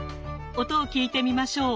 音を聞いてみましょう。